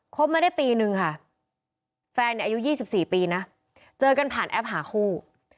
มาได้ปีนึงค่ะแฟนเนี่ยอายุ๒๔ปีนะเจอกันผ่านแอปหาคู่